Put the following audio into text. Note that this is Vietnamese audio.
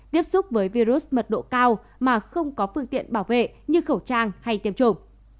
tiếp xúc với virus mật độ cao mà không có phương tiện bảo vệ như khẩu trang hay tiêm chủng